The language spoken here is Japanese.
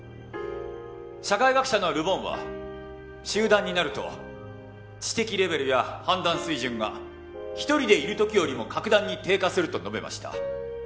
社会学者のル・ボンは集団になると知的レベルや判断水準が一人でいる時よりも格段に低下すると述べました。